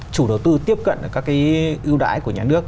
chủ đầu tư tiếp cận các cái ưu đãi của nhà nước